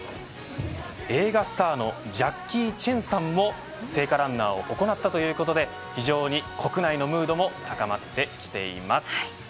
映画スターのジャッキー・チェンさんも聖火ランナーを行ったということで非常に国内のムードも高まってきています。